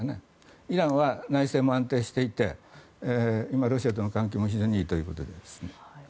イランは内政も安定していて今、ロシアとの関係も非常にいいということで。